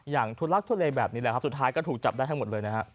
อย่างทุลักษณ์ทุเรศแบบนี้สุดท้ายก็ถูกจับได้ทั้งหมด